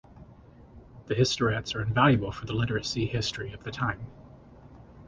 The "Historiettes" are invaluable for the literary history of the time.